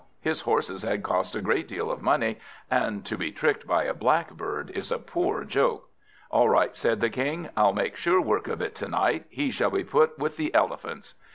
His horses had cost a great deal of money; and to be tricked by a Blackbird is a poor joke. "All right," said the King, "I'll make sure work of it to night. He shall be put with the Elephants."